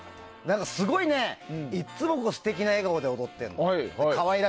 すごいね、いつも素敵な笑顔で踊ってるの。